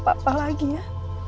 papa lagi ya